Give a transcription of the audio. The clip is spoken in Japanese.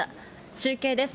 中継です。